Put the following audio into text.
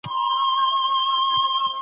ځوانان به د ټولني ستونزو ته حل لاري پيدا کړي.